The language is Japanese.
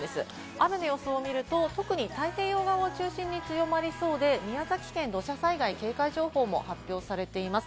雨の予想を見ると特に太平洋側を中心に強まりそうで、宮崎県、土砂災害警戒情報も発表されています。